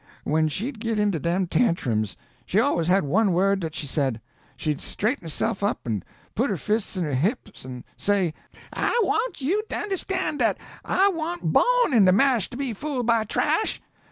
When she'd git into dem tantrums, she always had one word dat she said. She'd straighten herse'f up an' put her fists in her hips an' say, 'I want you to understan' dat I wa'n't bawn in the mash to be fool' by trash!